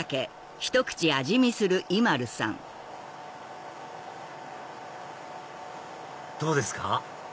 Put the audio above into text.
ねっどうですか？